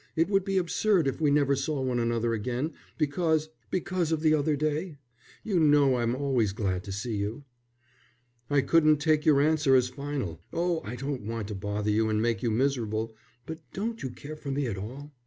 It would be absurd if we never saw one another again because because of the other day. You know I'm always glad to see you." "I couldn't take your answer as final. Oh, I don't want to bother you and make you miserable, but don't you care for me at all?